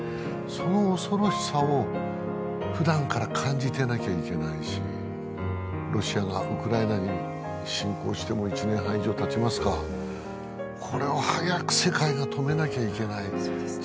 その恐ろしさを普段から感じてなきゃいけないしロシアがウクライナに侵攻してもう１年半以上たちますかこれを早く世界が止めなきゃいけないそうですね